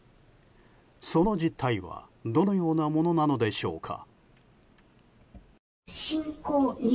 その実態はどのようなものなのでしょうか。